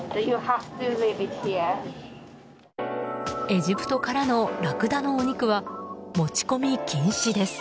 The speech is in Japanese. エジプトからのラクダのお肉は持ち込み禁止です。